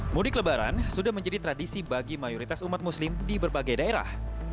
mudik lebaran sudah menjadi tradisi bagi mayoritas umat muslim di berbagai daerah